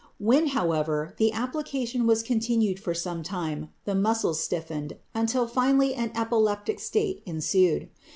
When, however, the application was continued for some time, the muscles stiffened, until finally an epileptic state ensued.